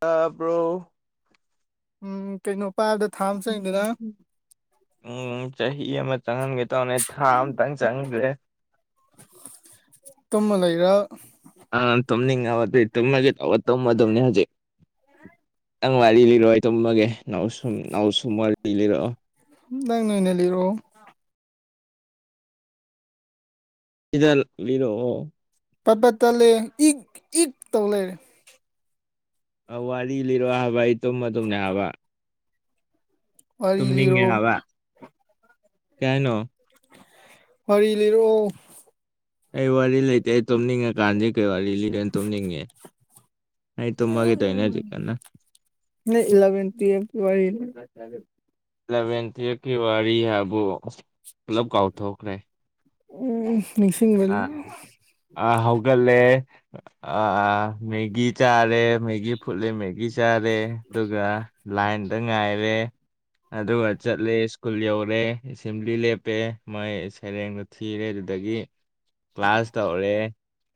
ꯇꯔꯕ꯭ꯔꯣ ꯎꯝ ꯀꯩꯩꯅꯣ ꯎꯝ ꯆꯍꯤ ꯑꯃ ꯆꯪꯍꯟꯒꯦ ꯇꯧꯕꯅꯦ ꯊꯥ ꯑꯇꯪ ꯆꯪꯗ꯭ꯔꯦ ꯇꯃ ꯂꯩꯏꯔ ꯑ ꯇꯨꯝꯅꯤꯡꯉ ꯑꯗꯨꯗꯤ ꯇꯨꯝꯃꯒꯤ ꯇꯨꯝ ꯑꯗꯨꯨꯝꯅꯤ ꯍꯧꯖꯤꯛ ꯅꯪ ꯋꯥꯔꯤ ꯂꯤꯔꯣꯑꯣ ꯑꯩ ꯇꯨꯝꯃꯒꯦ ꯏꯅꯥꯧꯎ ꯁꯨꯝ ꯏꯅꯥꯎ ꯁꯨꯝ ꯋꯥꯔꯤ ꯂꯤꯔꯑꯣ ꯅꯪ ꯅꯣꯏꯅꯦ ꯂꯩꯔꯣ ꯏ ꯂꯦꯔꯑꯣ ꯄꯠꯄ ꯇꯠꯂꯦ ꯏꯠ ꯏꯠ ꯇꯧ ꯂꯩꯔꯦ ꯑ ꯋꯥꯔꯤ ꯂꯤꯔꯣꯑꯣ ꯍꯥꯏꯕ ꯑꯩ ꯇꯨꯝꯃ ꯇꯨꯝꯅꯦ ꯍꯥꯏꯕ ꯇꯨꯝꯅꯤꯡꯉꯦ ꯍꯥꯏꯕ ꯀꯩꯅꯣ ꯋꯥꯔꯤ ꯂꯤꯔꯛꯑꯣ ꯑꯩ ꯋꯥꯔꯤ ꯂꯩꯇꯦ ꯑꯩ ꯇꯨꯝꯅꯤꯡꯉꯀꯥꯟꯗꯤ ꯀꯩ ꯋꯥꯔꯤ ꯂꯤꯅ ꯇꯨꯝꯅꯤꯡꯉꯦ ꯑꯩ ꯇꯣ ꯃꯒꯤ ꯇꯣꯏ ꯅꯖꯤ ꯀꯥꯟꯅ ꯏꯂꯕꯦꯟ ꯇꯨꯐ ꯋꯥ ꯑ ꯏꯂꯚꯦꯟ ꯇꯨꯋꯥꯜꯀꯤ ꯋꯥꯔꯤꯔꯤ ꯍꯥꯏꯕꯕꯨꯂꯞ ꯀꯥꯎꯊꯣꯛꯈ꯭ꯔꯦ ꯎꯝ ꯅꯤꯡꯁꯤꯡꯕꯦ ꯑ ꯍꯧꯒꯠꯂꯦ ꯑ ꯃꯦꯒꯤ ꯆꯥꯔꯦ ꯃꯦꯒꯤ ꯐꯨꯠꯂꯦ ꯃꯦꯒꯤ ꯄꯁꯔꯦ ꯑꯗꯨꯒ ꯂꯥꯏꯟ ꯛꯇ ꯉꯥꯏꯔꯦ ꯑꯗꯨꯒ ꯆꯠꯂꯦ ꯁ꯭ꯀꯨꯜ ꯌꯧꯔꯦ ꯑꯦꯁꯦꯝꯕ꯭ꯂꯤ ꯂꯦꯞꯄꯦ ꯃꯣꯏ ꯁꯩꯔꯦꯡꯗꯣ ꯊꯤꯔꯦ ꯑꯗꯨꯗꯒꯤ ꯀ꯭ꯂꯥꯁ ꯇꯧꯔꯦ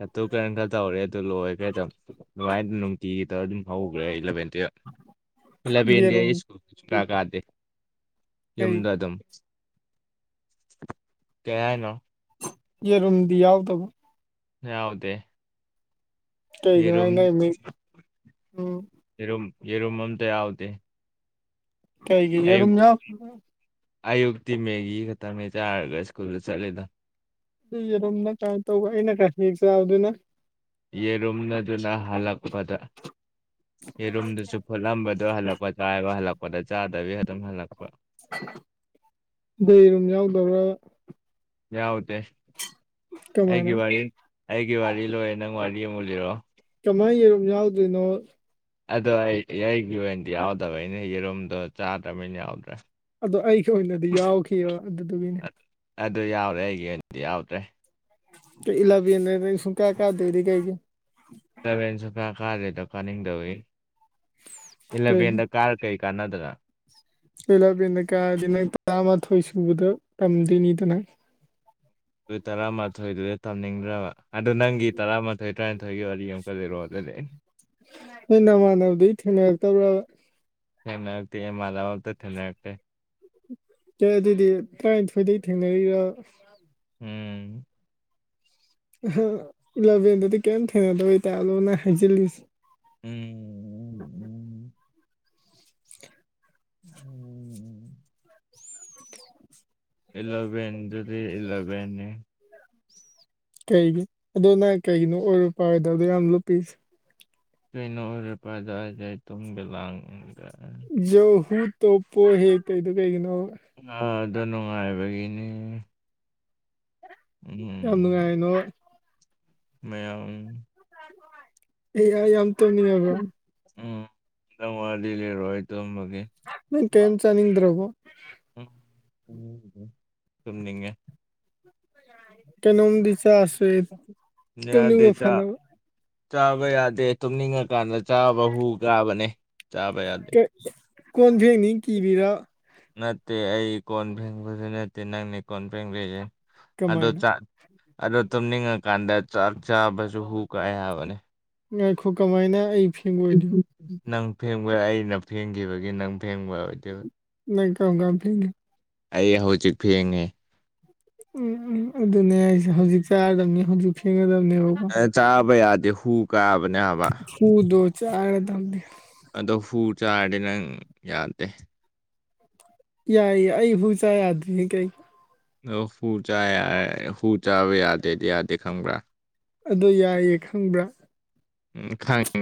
ꯑꯗꯨ ꯀꯔꯝ ꯈꯔ ꯇꯧꯔꯦ ꯑꯗꯨ ꯂꯣꯏꯈ꯭ꯔꯦ ꯑꯗꯨꯃꯥꯏꯅ ꯅꯨꯡꯇꯤꯒꯤꯇ ꯑꯗꯨꯝ ꯍꯧꯈ꯭ꯔꯦ ꯏꯂꯚꯦꯟ ꯇꯨꯌꯦꯜꯞ ꯨꯂꯕꯤ ꯏꯟꯗꯤꯌꯥꯀ ꯗꯦ ꯌꯨꯝꯗ ꯑꯗꯨꯝ ꯀꯍꯥꯏꯅꯣ ꯌꯦ ꯔꯨꯝꯝꯗꯤ ꯌꯥꯎꯗꯕꯨ ꯌꯥꯎꯗꯦ ꯀꯩꯒꯤ ꯃꯤ ꯎꯝ ꯌꯦꯔꯨꯝꯃ ꯑꯝꯇꯥꯎꯇ ꯀꯩ ꯀ ꯑꯗꯨꯝꯖꯥ [unintelligible] ꯑꯌꯨꯛꯇꯤ ꯃꯦꯒꯤ ꯈꯛꯇ ꯃ ꯆꯥꯔꯒ ꯁ꯭ꯀꯨꯜꯗ ꯆꯠꯂꯤꯦꯗ ꯑꯗꯨ ꯌꯦꯔꯨꯝꯅ ꯀꯃꯥꯏꯅ ꯇꯧꯕ ꯑꯩꯅ ꯀꯔ ꯍꯦꯛ ꯆꯥꯕꯗꯨꯣꯏꯅ ꯌꯦꯔꯨꯝꯅꯗꯨꯅ ꯍꯜꯂꯛꯄꯗ ꯌꯦꯔꯨꯝꯗꯨꯁꯨ ꯐꯨꯠꯂꯝꯕꯗꯣ ꯍꯜꯂꯛꯄ ꯆꯥꯏꯕ ꯍꯜꯂꯛꯄꯗ ꯆꯥꯗꯕꯤ ꯑꯗꯨꯝ ꯍꯜꯂꯛꯄ ꯑꯩꯔꯨꯝ ꯌꯥꯎꯗꯕ꯭ꯔꯥ ꯌꯥꯎꯗꯦ ꯀꯃꯥꯏꯅ ꯒꯤ ꯋꯥꯔꯤ ꯂꯣꯏꯔꯦ ꯅꯪ ꯋꯥꯔꯤ ꯑꯃꯨ ꯂꯤꯔꯣ ꯃꯥꯏ ꯌꯦꯔꯣꯝ ꯌꯥꯎꯗꯣꯏꯅꯣ ꯑꯗꯣ ꯑꯩ ꯑꯩꯒꯤ ꯑꯣꯏꯅꯗꯤ ꯌꯥꯎꯗꯕ ꯑꯩꯅ ꯌꯦꯔꯨꯝꯗꯣ ꯆꯥꯗ꯭ꯔꯅꯤꯅ ꯌꯥꯎꯗ꯭ꯔꯦ ꯑꯗꯣ ꯑꯩꯒꯤ ꯑꯣꯏꯅꯗꯤ ꯌꯥꯎꯈꯤꯕ ꯑꯗꯨꯗꯨꯒꯤꯅꯦ ꯑꯗꯨ ꯌꯥꯎꯔꯦ ꯑꯩꯒꯤ ꯑꯣꯏꯅꯗꯤ ꯌꯥꯎꯗ꯭ꯔꯦ ꯏꯂꯕꯤꯅꯦ ꯁ ꯀꯌꯥ ꯀꯌꯥꯗꯔꯤ ꯀꯒꯤ ꯇꯦꯟꯁꯨꯐꯥ ꯀꯥꯔꯦꯗ ꯀꯥꯅꯤꯡꯗꯧꯋꯤ ꯏꯂ ꯄꯦꯟꯗ ꯀꯥꯔ ꯀꯩ ꯀꯥꯟꯅꯗꯒ ꯂꯩꯂꯕꯗ ꯀꯥꯗꯤ ꯅꯪ ꯇꯔꯥꯃꯥꯊꯣꯏ ꯁꯨꯕꯗ ꯇꯝꯗꯣꯏꯅꯤꯗꯅꯪ ꯑꯗꯨ ꯇꯔꯥꯃꯥꯊꯣꯏꯗꯨꯗ ꯇꯝꯅꯤꯡꯗ꯭ꯔꯕ ꯑꯗꯨ ꯅꯪꯒꯤ ꯇꯔꯥꯃꯥꯊꯣꯏ ꯇꯔꯥꯅꯤꯊꯣꯏꯒꯤ ꯑꯣꯏ ꯍ ꯅꯃꯅ ꯊꯅ ꯇ ꯊꯅ ꯋꯥꯗꯤ ꯃꯥꯂ ꯋꯥꯕꯛꯇ ꯊꯅ ꯋꯥ ꯑꯦꯦ ꯑꯗꯨꯗꯤ ꯇꯔꯥꯅꯤꯊꯣꯏꯗꯒꯤꯩ ꯊꯦꯡꯅꯔꯤꯔ ꯎꯝ ꯏꯂꯚꯦꯟꯗꯗꯤ ꯀꯔꯤꯝ ꯊꯦꯡꯅꯗꯕ ꯏꯇꯥꯂꯣꯅ ꯍꯥꯏꯖꯤꯜꯂꯤꯁꯦ ꯎꯝ ꯎꯝ [inaudible] ꯎꯝ ꯎꯝ ꯏꯂꯚꯟꯗꯨꯗꯤ ꯏꯂꯚꯟꯅ ꯀꯩꯒꯤꯅꯣ ꯑꯗꯨ ꯅꯪ ꯀꯩꯒꯤꯅꯣ ꯑꯣꯏꯔꯨ ꯄꯗꯗꯣ ꯌꯥꯝ ꯂꯨꯞꯄꯤꯁꯦ ꯀꯩꯅꯣ ꯑꯣꯏꯔ ꯄꯖꯁꯦ ꯇꯨꯡꯒ ꯂꯥꯡꯒ ꯌꯣ ꯍꯨ ꯇꯣꯞ ꯄꯣ ꯍꯦ ꯀꯩꯗꯨ ꯀꯩꯒꯤꯅꯣ ꯑ ꯑꯗꯨ ꯅꯨꯡꯉꯥꯏꯕꯒꯤꯅꯦ ꯌꯥꯝ ꯅꯨꯡꯉꯥꯏꯅꯣ ꯃ ꯑꯦ ꯌꯥ ꯌꯥꯝꯇꯅꯤ ꯑꯕ ꯎꯝ ꯅꯪ ꯋꯥꯔꯗꯤ ꯂꯩꯔꯣꯏ ꯑꯩ ꯇꯣꯝꯕꯒꯤ ꯅꯪ ꯀꯩꯅꯝ ꯆꯅꯤꯡꯗ꯭ꯔꯣꯕꯨ ꯎꯝ ꯎ ꯁꯅꯤꯡꯉ ꯀꯩꯅꯣꯗꯤ ꯆꯥꯁ ꯌꯥꯗꯦ ꯆ ꯆꯥꯕ ꯌꯥꯗꯦ ꯇꯨꯝꯅꯤꯡꯉ ꯀꯥꯟꯗ ꯆꯥꯕ ꯍꯨ ꯀꯥꯕꯅꯦ ꯆꯥꯕ ꯌꯥꯗꯦ ꯀꯣꯟ ꯐꯦꯡꯅꯤ ꯀꯤꯕꯤꯔ ꯅꯠꯇꯦ ꯑꯩ ꯀꯣꯟ ꯐꯦꯡꯕꯁꯨ ꯅꯠꯇꯦ ꯅꯪꯅ ꯀꯣꯟ ꯐꯦꯡꯗꯁꯦ ꯑꯗ ꯑꯗꯣ ꯇꯅꯤꯉ ꯀꯥꯟꯗ ꯆꯥꯛ ꯆꯥ ꯄꯁꯨ ꯍꯨ ꯀꯥꯏꯅꯦ ꯉꯥꯏꯈꯣ ꯀꯃꯥꯏꯅ ꯑꯩ ꯅꯪ ꯐꯦꯡꯕ ꯑꯩꯅ ꯐꯦꯡꯈꯤꯕꯒꯤ ꯅꯪ ꯐꯦꯡꯕ ꯑꯣꯏꯗꯤ ꯀ ꯀꯝ ꯐꯦꯡꯒꯦ ꯑꯩ ꯍꯧꯖꯤꯛ ꯐꯦꯡꯉꯦ ꯎꯝ ꯎꯝ ꯑꯗꯨꯅꯦ ꯑꯩꯁꯦ ꯍꯧꯖꯤꯛ ꯆꯥꯗꯕꯅꯤ ꯍꯧꯖꯤꯛ ꯈꯦꯡꯒꯗꯕ ꯑꯦ ꯆꯥꯕ ꯌꯥꯗꯦ ꯍꯨ ꯀꯥꯕꯅꯦ ꯍꯥꯏꯕ ꯇꯝꯕꯤ ꯆꯥꯔꯗꯤ ꯅꯪ ꯌꯥꯗꯦ ꯌꯥꯏꯌꯦ ꯑꯩꯕꯨꯥꯎ ꯆꯥ ꯌꯥꯗ꯭ꯔꯤꯅꯦ ꯀꯩ ꯑꯣ ꯍꯨ ꯍꯨ ꯆꯥꯕ ꯌꯥꯗꯦꯗꯤ ꯌꯥꯗꯦ ꯈꯪꯕ꯭ꯔꯥ ꯑꯗꯨ ꯌꯥꯏꯌꯦꯦ ꯈꯪꯕ꯭ꯔꯥ ꯎꯝ ꯈꯪꯉ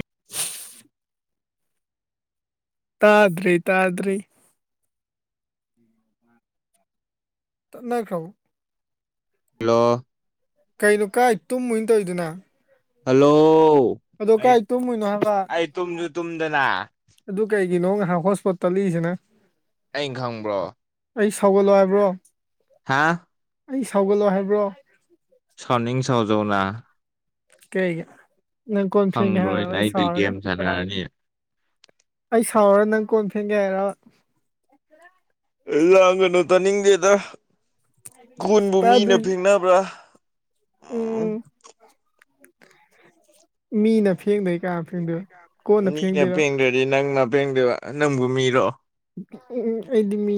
ꯇꯥꯗ꯭ꯔꯤ ꯇꯥꯗ꯭ꯔꯤ ꯇꯅ ꯈ꯭ꯔꯥꯎ ꯍꯜꯂꯣ ꯀꯩꯅꯣ ꯀꯥꯏ ꯇꯨꯝ ꯃꯨꯏꯅ ꯇꯧꯔꯤꯗꯅ ꯍꯜꯂꯣ ꯑꯩ ꯑꯩ ꯇꯨꯝꯁꯨ ꯇꯨꯝꯗꯅ ꯑꯩꯒꯤ ꯅꯣ ꯉꯥꯏꯍꯥꯛ ꯍꯣꯠꯁꯄꯣꯠ ꯇꯠꯂꯤꯏꯁꯤꯅ ꯑꯩ ꯈꯪꯕ꯭ꯔꯣ ꯑꯩ ꯁꯧꯒꯠꯂꯣ ꯍꯥꯏꯕ꯭ꯔꯣ ꯍꯥꯥ ꯑꯩ ꯁꯥꯎꯒꯠꯂꯣ ꯍꯥꯏꯕ꯭ꯔꯣ ꯁꯥꯎꯅꯤꯡ ꯁꯥꯎꯖꯧꯅ ꯀꯩꯒꯤ ꯅꯪ ꯀꯣꯟ ꯐꯦꯡꯒꯦ ꯍꯥꯏꯔꯕ ꯑꯩ ꯁꯥꯎꯔꯒ ꯑꯩ ꯁꯥꯎꯔꯒ ꯅꯪ ꯀꯣꯟ ꯍꯒꯥꯏꯔꯣ ꯏꯂ ꯍꯪꯅꯇ ꯅꯤꯡꯒꯦꯗ ꯒꯨꯟꯕꯨ ꯃꯤꯅ ꯐꯦꯡꯅꯕ꯭ꯔꯥ ꯎꯝ ꯃꯤꯅ ꯐꯦꯡꯗꯩꯀ ꯃꯤꯅ ꯄꯦꯡꯗ꯭ꯔꯗꯤ ꯅꯪꯅ ꯄꯦꯡꯗꯣꯏꯕ ꯅꯪꯕꯨ ꯃꯤꯔꯣ ꯎꯝ ꯑꯩꯗꯤ ꯃꯤ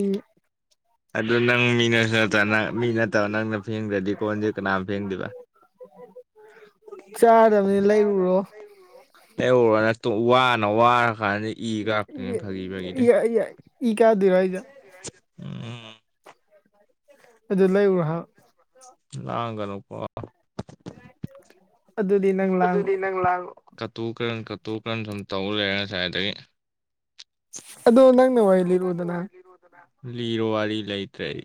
ꯑꯗꯨ ꯅꯪ ꯃꯤꯅꯁꯨ ꯅꯠꯇ꯭ꯔ ꯃꯤ ꯅꯠꯇꯕ ꯅꯪꯅ ꯐꯦꯡꯗ꯭ꯔꯗꯤ ꯀꯣꯟꯁꯦ ꯀꯅꯥꯝ ꯐꯦꯡꯗꯦꯕ ꯆꯥꯗꯕꯅꯤ ꯂꯩꯔꯨꯔꯣ ꯂꯩꯔꯧꯔꯅ ꯋꯥꯅ ꯋꯥꯔ ꯀꯥꯟꯗ ꯏ ꯀꯥꯔꯛꯇꯣꯏꯅꯤ ꯐꯥꯒꯤ ꯐꯥꯒꯤꯗ ꯎꯝ ꯑꯗꯨ ꯂꯩꯎ ꯂꯥꯡꯒꯅꯨꯀꯣ ꯑꯗꯨ ꯑꯗꯨꯗꯤꯅꯪ ꯂꯒ ꯀꯠꯇꯨ ꯀ꯭ꯔꯟ ꯀꯠꯇꯨ ꯀ꯭ꯔꯟ ꯁꯨꯝ ꯇꯧ ꯂꯩꯔꯦ ꯉꯁꯥꯏ ꯑꯗꯒꯤ ꯑꯗ ꯅꯪꯅꯦ ꯋꯥ ꯏꯂꯤ ꯏꯔꯗꯅ ꯂꯤꯔꯣ ꯋꯥꯔꯤ ꯂꯩꯇ꯭ꯔꯦꯗꯤ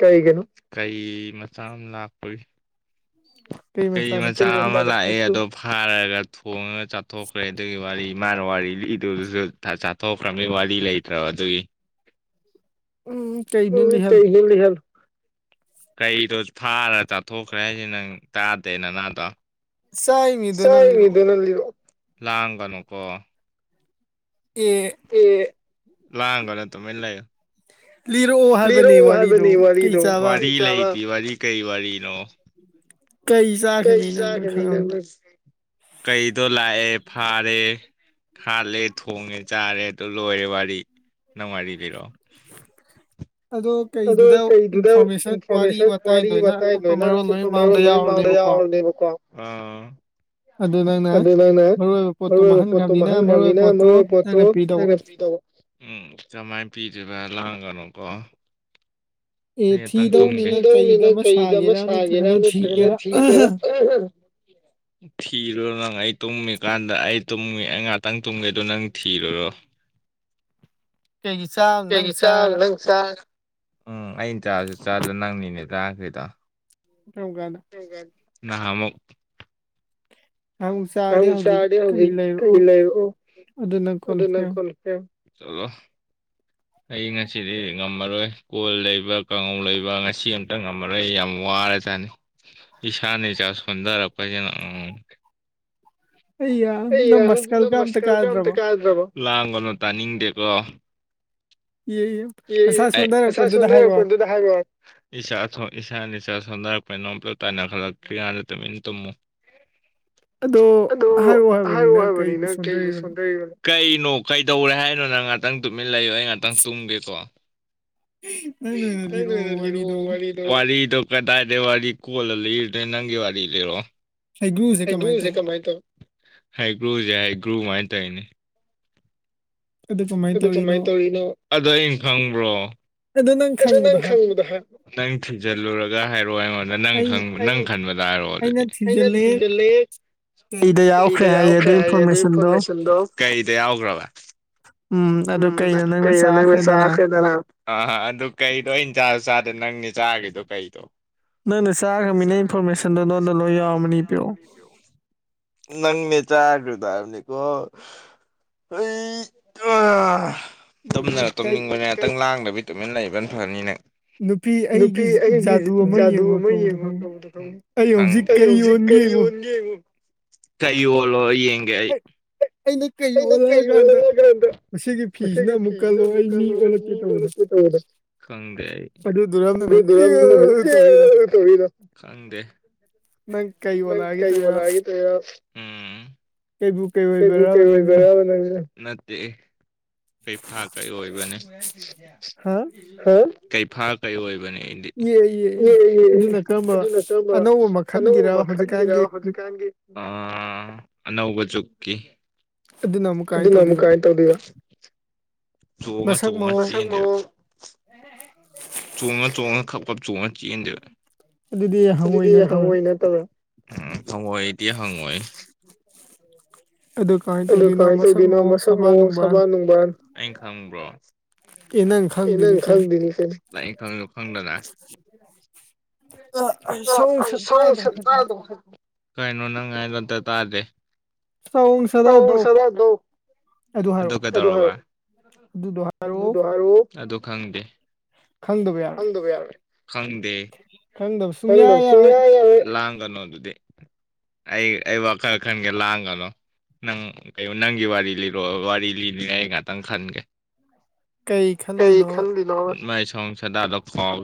ꯀꯩꯒꯤꯅꯣ ꯀꯩ ꯃꯆꯥ ꯑꯃ ꯂꯥꯛꯄꯒꯤ ꯀꯩ ꯃꯆꯥ ꯑꯃ ꯂꯥꯛꯑꯦ ꯑꯗꯣ ꯐꯥꯔꯒ ꯊꯣꯡꯉꯒ ꯆꯥꯊꯣꯛꯈ꯭ꯔꯦ ꯑꯗꯨꯒꯤ ꯋꯥꯔꯤ ꯃꯥꯅ ꯋꯥꯔꯤ ꯂꯤꯏꯗꯨꯗꯨꯁꯨ ꯆꯥꯊꯣꯛꯈ꯭ꯔꯕꯅꯤ ꯋꯥꯔꯤ ꯂꯩꯇ꯭ꯔꯣ ꯑꯗꯨꯒꯤ ꯎꯝ ꯀꯩꯅꯤ ꯍꯗꯤ ꯍꯂ ꯀꯩꯗꯣ ꯊꯥꯔ ꯆꯥꯊꯣꯛꯈ꯭ꯔꯦ ꯍꯥꯏꯁꯦ ꯅꯪ ꯇꯥꯗꯦ ꯅꯅꯥꯗꯣ ꯃꯤꯗꯨꯅ ꯂꯥꯡꯒꯅꯨꯀꯣ ꯑꯦ ꯂꯍꯒꯂ ꯇꯨꯃꯤꯟ ꯂꯩꯌꯨ ꯂꯤꯔꯣ ꯍꯥꯏꯕꯅꯤ ꯋꯥꯔꯤꯗꯣ ꯀꯩ ꯋꯥꯔꯤꯅꯣ ꯆ ꯀꯩꯗꯣ ꯂꯥꯛꯑꯦ ꯐꯥꯔꯦ ꯍꯥꯠꯂꯦ ꯊꯣꯡꯉꯦ ꯆꯥꯔꯦ ꯑꯗꯨ ꯂꯣꯏꯔꯦ ꯋꯥꯔꯤ ꯅꯪ ꯋꯥꯔꯤ ꯂꯤꯔꯑꯣ ꯑꯗꯣ ꯀꯩꯗꯨꯗ ꯏꯟꯐꯣꯔꯃꯦꯁꯟ ꯋꯥꯔꯤ ꯋꯥꯋꯇꯥꯏ ꯂꯣꯏꯅ ꯑꯀꯨꯞꯞꯄ ꯃꯔꯣꯜ ꯂꯣꯏꯅ ꯃꯥꯡꯅ ꯕꯀꯣ ꯑꯗꯨ ꯅꯪꯅ ꯃꯔꯨ ꯑꯣꯏꯕ ꯄꯣꯠꯇꯣ ꯃꯥꯡꯍꯟꯈ꯭ꯔꯕꯅꯤꯅ ꯃꯔꯨ ꯑꯣꯏꯕ ꯄꯣꯠꯇꯣ ꯅꯪꯅ ꯄꯤ ꯇꯧꯕ ꯎꯝ ꯀꯃꯥꯏꯅ ꯄꯤꯗꯦꯕ ꯂꯥꯡꯒꯅꯨꯀꯣ ꯊꯤꯗꯧꯅꯤꯅ ꯀꯩꯗ ꯑꯃ ꯁꯥꯒꯦꯔꯥ ꯅꯠꯇ꯭ꯔꯒꯅ ꯊꯤꯒꯦꯔꯥ ꯊꯤꯔꯣ ꯅꯉꯥꯏ ꯇꯨꯝꯃꯤꯀꯥꯟꯗ ꯑꯩ ꯇꯨꯝꯃꯤ ꯑꯩ ꯉꯥꯛꯇꯪ ꯇꯨꯝꯒꯦꯗꯣ ꯅꯪ ꯊꯤꯔꯨꯔꯣ ꯒꯤ ꯆ ꯂꯪ ꯆ ꯎꯝ ꯑꯩꯅ ꯆꯥꯁꯨ ꯆꯥꯗ꯭ꯔ ꯅꯪꯅꯤꯅꯦ ꯂꯥꯛꯈꯩꯗꯣ ꯇꯂꯨꯡꯒꯅ ꯅꯍꯃꯨ ꯍ ꯆꯗꯦ ꯍꯧꯖꯤ ꯀꯩ ꯂꯩ ꯑꯗꯨꯅ ꯀꯜ ꯄꯦ ꯑꯩ ꯉꯁꯤꯗꯤ ꯉꯝꯃꯔꯣꯏ ꯀꯣꯜ ꯂꯩꯕ ꯀꯥꯡꯉꯧ ꯂꯩꯕ ꯉꯁꯤ ꯑꯝꯇ ꯉꯝꯃꯔꯣꯏ ꯌꯥꯝ ꯋꯥ ꯃꯥꯔꯦ ꯆꯅꯤ [inaudible] ꯏꯁꯥꯅ ꯆ ꯁꯣꯟꯊꯔꯛꯄꯁꯤꯅ ꯑ ꯑꯩ ꯌꯥꯔ ꯃꯁꯀꯜ ꯀꯝ ꯇ ꯀꯌꯥꯗꯖꯕꯣ ꯂꯥꯡꯒꯅꯣ ꯇꯥꯅꯤꯡꯗꯦꯀꯣ ꯁꯥꯁꯥꯅꯤ ꯁꯣꯟꯅꯔꯛꯄ ꯅꯝꯂ ꯇꯥꯏꯅ ꯈꯜꯂꯛꯇ ꯍꯥꯟꯗ ꯇꯃꯤꯅ ꯇꯝꯃꯣ ꯑꯗꯣ ꯍꯥꯏꯔꯛꯑꯣ ꯍꯥꯏꯕꯅꯤꯅꯪ ꯀꯩꯁꯨ ꯁꯣꯟꯊꯔꯤꯕꯅꯣ ꯀꯩꯅꯣ ꯀꯩꯗꯧꯔꯦ ꯍꯥꯏꯅꯣ ꯅꯪ ꯉꯥꯛꯇꯪ ꯇꯨꯃꯤꯟ ꯂꯩꯌꯣ ꯑꯩ ꯉꯥꯛꯇꯪ ꯇꯨꯝꯒꯦꯀꯣ ꯅ ꯋꯥꯔꯤ ꯀꯗꯥꯏꯗꯦ ꯋꯥ ꯋꯥꯔꯤ ꯀꯣꯜ ꯂꯩꯔ ꯅꯪꯒꯦꯋꯥ ꯋꯥꯔꯤ ꯂꯩꯔꯣ ꯍꯒ꯭ꯔꯨꯁꯦ ꯀꯃꯥꯏ ꯇꯧ ꯍꯩ ꯒ꯭ꯔꯨꯁꯦ ꯍꯩ ꯒ꯭ꯔꯨꯃꯥꯏꯅ ꯇꯧꯔꯤꯅꯦ ꯑꯗꯨ ꯀꯃꯥꯏꯅ ꯇꯧꯔꯤꯅꯣ ꯑꯗꯣ ꯑꯩꯅ ꯈꯪꯕ꯭ꯔꯣ ꯪꯗ ꯅꯪ ꯊꯤꯖꯤꯜꯂꯨꯔ ꯍꯥꯏ ꯑꯩꯉꯣꯟꯗ ꯅ ꯅꯪ ꯈꯟꯕꯗ ꯍꯥꯏꯔꯣ ꯑꯗꯨꯗꯤ ꯊ ꯀꯩꯗ ꯌꯥꯎꯈ꯭ꯔꯦ ꯍꯥꯏꯌꯦ ꯑꯗꯨ ꯏꯟꯐꯣꯔꯃꯦꯁꯟꯗꯣ ꯀꯗ ꯌꯥꯎꯈ꯭ꯔꯕ ꯎꯩꯅ ꯑ ꯑꯗꯨ ꯀꯩꯗꯣ ꯑ ꯆ ꯆꯥꯗꯦ ꯅꯪꯅꯦ ꯆꯥꯈꯤꯗꯣ ꯀꯩꯗ ꯅꯪꯅ ꯆꯥꯈ꯭ꯔꯕꯃꯤꯅ ꯏꯟꯐꯣꯔꯃꯦꯁꯟꯗꯣ ꯅꯉꯣꯟꯗ ꯂꯣꯏ ꯌꯥꯎꯔꯝꯃꯅꯤ ꯏꯕꯤꯔꯛꯑꯣ ꯅꯪ ꯃꯦ ꯆ ꯍꯥꯏ ꯏꯅꯤ ꯀꯣ ꯑꯩ ꯇꯨꯝꯅꯔ ꯇꯨꯝꯅꯤꯡꯕꯅ ꯉꯍꯥꯛꯇꯪ ꯂꯥꯡꯗꯕꯤ ꯇꯨꯃꯤꯟꯅ ꯂꯩꯕꯅ ꯐꯅꯤ ꯅꯪ ꯅꯨꯄꯤ ꯑꯩꯒꯤ ꯖꯥꯗꯨ ꯑꯃ ꯌꯦꯡꯉꯣ ꯇꯧꯕꯗ ꯇꯧꯅꯤ ꯑꯩ ꯍꯧꯖꯤꯛ ꯀ ꯌꯦꯡꯉ ꯀꯩꯣ ꯌꯦꯡꯉ ꯀ ꯀꯩ ꯑꯣꯏꯒ ꯁ ꯐꯤꯤꯁꯅ ꯃꯨꯀꯥꯜ ꯂ ꯀ ꯇ ꯑꯗꯨꯔꯝꯅ ꯐꯖ ꯇꯧꯔꯤꯔꯪꯗꯦ ꯅꯪ ꯀꯩꯕꯣꯂꯒꯔ ꯀꯩꯕꯨ ꯀꯩ ꯑꯣꯏ ꯔꯕꯔ ꯅ ꯅꯠꯇꯦ ꯀꯩꯐꯥ ꯀꯩ ꯑꯣꯏꯕꯅꯤ ꯀꯩꯐꯥ ꯀꯩ ꯑꯣꯏꯕ ꯑꯗꯨ ꯅꯠꯇꯕ ꯑꯅꯧꯕ ꯃꯈꯜꯒꯤꯔ ꯍꯧꯖꯤꯛ ꯑꯅꯧꯕ ꯆꯨꯀꯤ ꯑꯗꯨꯅ ꯑꯃꯨꯛ ꯀꯥꯏꯅ ꯇꯧꯗꯣꯏꯕ ꯆꯣꯡꯉ ꯆꯣꯡꯉ ꯆꯣꯡꯉ ꯆ ꯆꯣꯡ ꯈ ꯈꯞ ꯆꯣꯡꯉ ꯆꯤꯗꯕ ꯑꯗꯨꯗꯤ ꯍꯪꯉꯣꯏ ꯅꯠꯇꯕ ꯍꯪꯉꯣꯏꯗꯤ ꯍꯪꯉꯣꯏ ꯑꯗꯨ ꯀꯃꯥꯏꯅ ꯇꯧꯗꯣꯏꯅꯣ ꯃꯁꯛ ꯃꯑꯣꯡ ꯁꯕꯥꯟ ꯅꯨꯡꯕꯥꯟ ꯈꯕ꯭ꯔꯣ ꯅꯪ ꯈꯪꯗ ꯀ ꯐꯪꯅꯗꯥ ꯁ ꯀꯥꯏꯩꯅꯣ ꯅꯪꯉꯥꯏꯅꯇ ꯇꯥꯔꯦ ꯁꯗ ꯍꯥꯏꯔ ꯑꯗꯨ ꯈꯪꯗꯦ ꯈꯪꯗ ꯌꯥꯔꯣꯏꯪꯗꯦꯪꯗ ꯁꯅꯤꯌꯥ ꯌꯥꯔꯣꯏ ꯀꯅꯣ ꯑꯗꯨꯗꯤ ꯑꯩ ꯑꯩ ꯋꯥꯈꯜ ꯈꯟꯒꯦ ꯂꯥꯡꯒꯅꯨ ꯅꯪ ꯀꯣ ꯅꯪꯒꯤ ꯋꯥꯔꯤ ꯂꯤꯔ ꯋꯥꯔꯤ ꯂꯤꯅꯤꯅ ꯑꯩ ꯉꯥꯛꯇꯪ ꯈꯟꯒꯦ ꯀ ꯈꯣ ꯃꯥꯥꯏ ꯁꯁꯗꯥꯗ ꯈꯋꯥ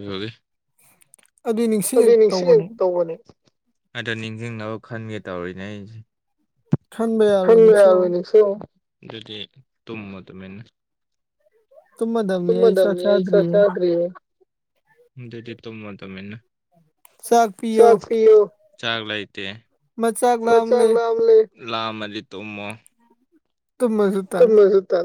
ꯑꯗꯨꯗꯤ ꯅꯤꯡꯁꯤꯡ ꯇꯧꯕꯅꯦ ꯑꯗꯣ ꯅꯤꯡꯁꯤꯡꯅꯕ ꯈꯟꯒꯦ ꯇꯧꯔꯤꯅꯦ ꯑꯩꯁꯦ ꯌꯥ ꯇ ꯇꯨꯃ ꯝ ꯌꯥꯁ ꯆꯥꯔꯤꯌꯦ ꯗꯗꯤ ꯇꯣꯃ ꯇꯃꯦꯅ ꯁꯥꯒ ꯄꯤꯣ ꯆꯥꯥꯛ ꯂꯥꯏꯇ ꯃꯆꯥ ꯂ ꯂꯝꯂꯤ ꯇꯨꯃꯣ ꯇꯃ ꯆ ꯇ